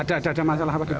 ada masalah apa gitu